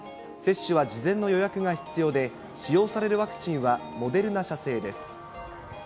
接種は事前の予約が必要で、使用されるワクチンはモデルナ社製です。